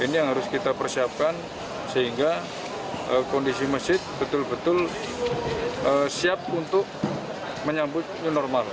ini yang harus kita persiapkan sehingga kondisi masjid betul betul siap untuk menyambut new normal